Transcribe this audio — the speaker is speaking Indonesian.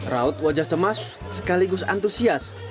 raut wajah cemas sekaligus antusias